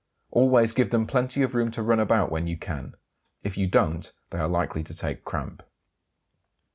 Always give them plenty of room to run about when you can; if you don't they are likely to take cramp.